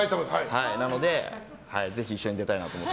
なのでぜひ一緒に出たいなと思って。